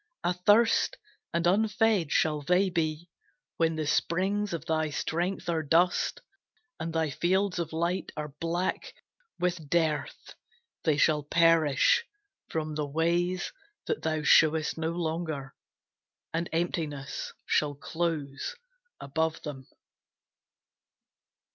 Athirst and unfed shall they be, When the springs of thy strength are dust, And thy fields of light are black with dearth. They shall perish from the ways That thou showest no longer, And emptiness shall close above them.